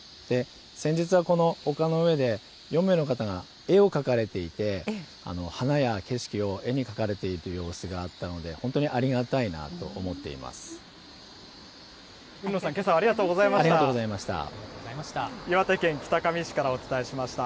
先日はこの丘の上で、４名の方が絵を描かれていて、花や景色を絵に描かれている様子があったので、本当にありがたいなと思っていま海野さん、けさはありがとうありがとうございました。